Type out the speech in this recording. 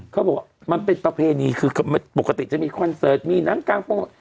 เขาบอกว่ามันเป็นประเพณีคือปกติจะมีคอนเสิร์ตมีหนังกางโปร